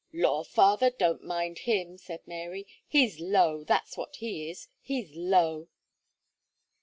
"Law! father, don't mind him," said Mary. "He's low, that's what he is he's low."